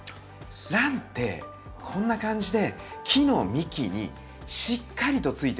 ランってこんな感じで木の幹にしっかりとついてるんです。